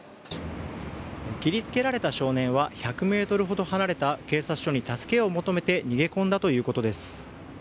切りつけられた少年は１００ｍほど離れた警察署に助けを求めて逃げ込んだということです。